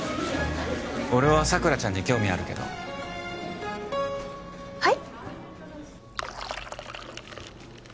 俺は佐倉ちゃんに興味あるけどはい？